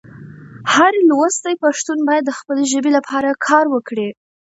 هر لوستی پښتون باید د خپلې ژبې لپاره کار وکړي.